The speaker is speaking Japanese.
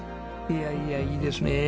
いやいやいいですねえ